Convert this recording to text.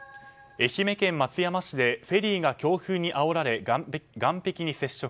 愛媛県松山市でフェリーが強風にあおられ岸壁に接触。